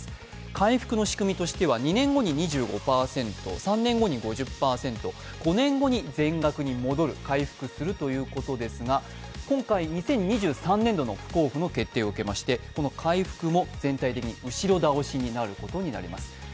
回復の仕組みとしては２年後に２５％、３年後に５０％、５年後に全額に戻る、回復するということですが今回、２０２３年度の不交付の決定を受けましてこの回復も全体的に後ろ倒しになることになります。